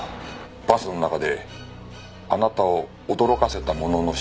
バスの中であなたを驚かせたものの正体を。